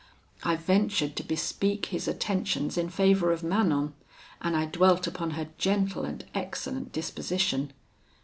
I ventured to bespeak his attentions in favour of Manon, and I dwelt upon her gentle and excellent disposition.